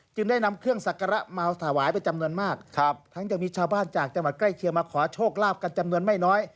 ได้นำเครื่องสักการะมาถวายเป็นจำนวนมากครับทั้งยังมีชาวบ้านจากจังหวัดใกล้เคียงมาขอโชคลาภกันจำนวนไม่น้อย